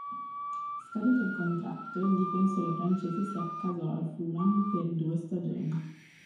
Scaduto il contratto, il difensore francese si accasò al Fulham per due stagioni.